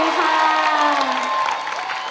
ขอบคุณค่ะ